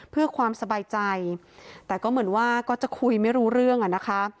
เพื่อความสบายใจแต่ก็เหมือนว่าก็จะคุยไม่รู้เรื่องอ่ะนะคะ